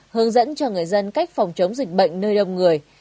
hướng dẫn cho người dân cách phòng chống dịch bệnh nơi đông người